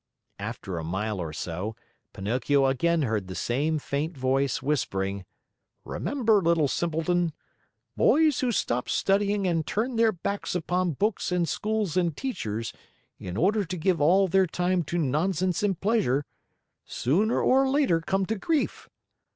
After a mile or so, Pinocchio again heard the same faint voice whispering: "Remember, little simpleton! Boys who stop studying and turn their backs upon books and schools and teachers in order to give all their time to nonsense and pleasure, sooner or later come to grief.